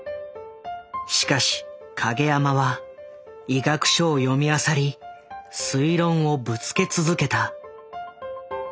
しかし影山は医学書を読みあさり推論をぶつけ続けた。